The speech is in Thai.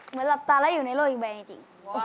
เหมือนหลับตาแล้วอยู่ในโลกอีกใบนี่จริง